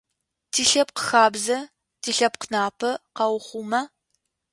Тилъэпкъхабзэ, тилъэпкънапэ къаухъума?